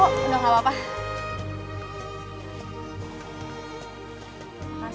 ternyata dulu dapat